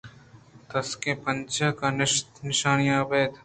تُسکیں پنجگ ءُ نیشاں ابید